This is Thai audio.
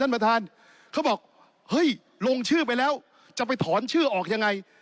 มาแค่๔๙คนเอง